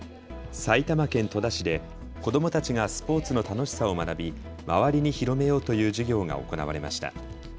埼玉県戸田市で子どもたちがスポーツの楽しさを学び周りに広めようという授業が行われました。